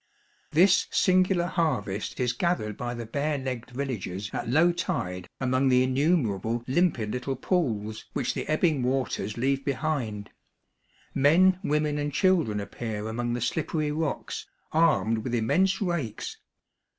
This singular harvest is gathered by the bare legged villagers at low tide among the innumer able limpid little pools which the ebbing waters leave behind; men, women, and children appear among the slippery rocks, armed with immense rakes.